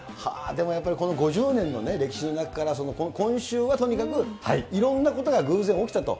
でもやっぱりこの５０年の歴史の中から、今週はとにかくいろんなことが偶然起きたと。